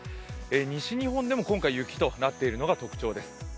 西日本でも今回、雪となっているのが特徴です。